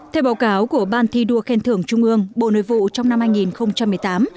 theo báo cáo của ban thi đua khen thưởng trung ương bộ nội vụ trong năm hai nghìn một mươi tám